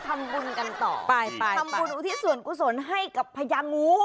ทำบุญกันต่อไปไปไปทำบุญอูทฤษวรกุศลให้กับพระยางู